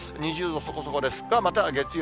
２０度そこそこです。